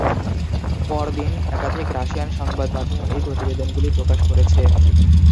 পর দিন একাধিক রাশিয়ান সংবাদমাধ্যম এই প্রতিবেদনগুলি প্রকাশ করেছে।